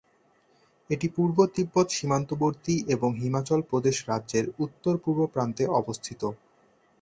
এটি পূর্ব তিব্বত সীমান্তবর্তী এবং হিমাচল প্রদেশ রাজ্যের উত্তর-পূর্ব প্রান্তে অবস্থিত।